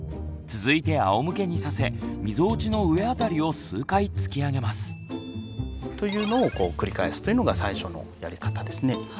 続いてあおむけにさせみぞおちの上辺りを数回突き上げます。というのを繰り返すというのが最初のやり方ですね。